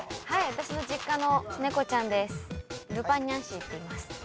はい私の実家の猫ちゃんです。